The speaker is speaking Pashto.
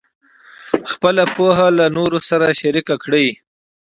خپله پوهه له نورو سره شریکه کړئ.